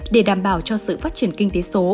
để đảm bảo cho sự phát triển kinh tế số